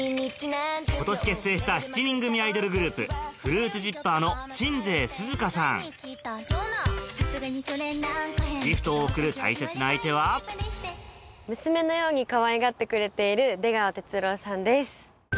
今年結成した７人組アイドルグループギフトを贈る大切な相手は娘のようにかわいがってくれている出川哲朗さんです。